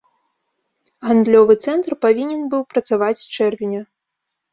Гандлёвы цэнтр павінен быў працаваць з чэрвеня.